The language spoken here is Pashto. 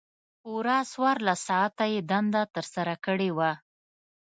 پوره څوارلس ساعته یې دنده ترسره کړې وه.